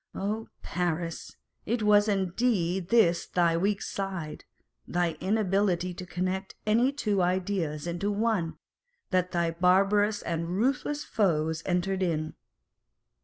Oh, Paris! it was indeed on this thy weak side (thy inability to connect any two ideas into one) that thy barbarous and ruthless foes entered in